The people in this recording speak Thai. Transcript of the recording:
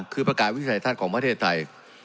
คือประกาศวิทยาศาสตร์ของประเทศไทย